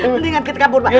mendingan kita kabur pak